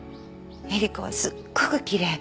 えり子はすっごくきれい。